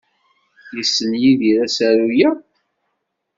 Yessen Yidir asaru-a?